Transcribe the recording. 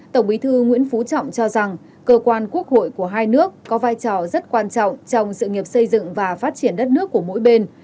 tổng bí thư nguyễn phú trọng cho rằng cơ quan quốc hội của hai nước có vai trò rất quan trọng trong sự nghiệp xây dựng và phát triển đất nước của mỗi bên